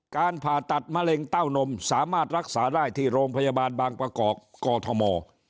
การผ่าตัดมะเร็งเต้านมสามารถรักษาได้ที่โรงพยาบาลบางประกอบกอทม